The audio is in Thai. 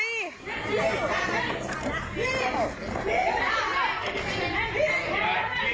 นี่